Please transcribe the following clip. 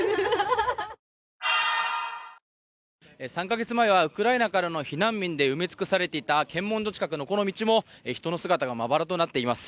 ３か月前はウクライナからの避難民で埋め尽くされていた検問所近くのこの道も人の姿がまばらとなっています。